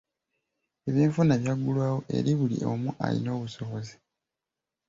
Ebyenfuna byaggulwawo eri buli omu alina obusobozi.